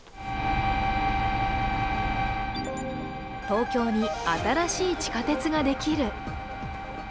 東京に新しい地下鉄ができる。